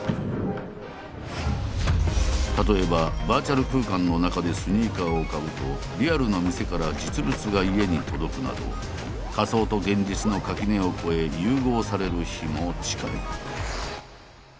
例えばバーチャル空間の中でスニーカーを買うとリアルな店から実物が家に届くなど仮想と現実の垣根を越え融合される日も近い。